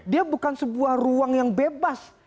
dia bukan sebuah ruang yang bebas